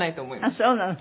ああそうなの。